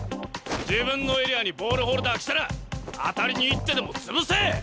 自分のエリアにボールホルダー来たら当たりに行ってでも潰せ！